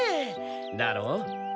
だろう！